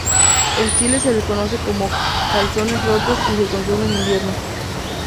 En Chile se les conoce como "calzones rotos" y se consumen en invierno.